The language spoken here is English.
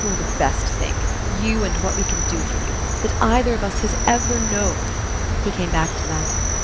You're the best thing you and what we can do for you that either of us has ever known," he came back to that.